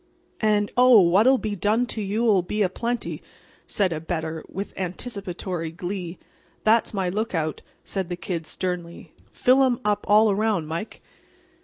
"And, oh, what'll be done to you'll be a plenty," said a bettor, with anticipatory glee. "That's my lookout," said the "Kid," sternly. "Fill 'em up all around, Mike."